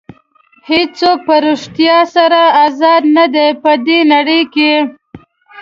هېڅوک په ریښتیا سره ازاد نه دي په دې نړۍ کې.